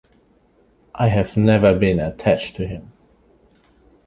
I have never been attached to him.